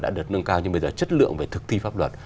đã được nâng cao nhưng bây giờ chất lượng về thực thi pháp luật